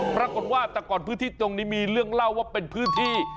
ปรากฏว่าแต่ก่อนพื้นที่ตรงนี้มีเรื่องเล่าว่าเป็นพื้นที่